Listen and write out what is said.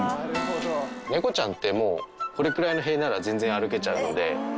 猫ちゃんってもうこれくらいの塀なら全然歩けちゃうので。